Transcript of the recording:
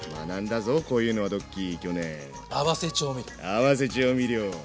合わせ調味料。